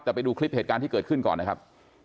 แต่ไปดูคลิปเหตุการณ์ที่เกิดขึ้นก่อนนะครับ